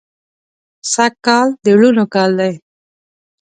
سږ کال د لوڼو کال دی